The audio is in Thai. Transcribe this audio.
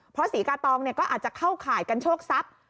เพราะศรีกาตองก็อาจจะเข้าข่ายกันโชคทรัพย์